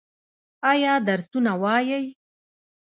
ایا درسونه وايي؟